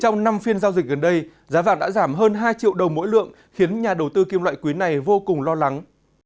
trong năm phiên giao dịch gần đây giá vàng đã giảm hơn hai triệu đồng mỗi lượng khiến nhà đầu tư kim loại quý này vô cùng lo lắng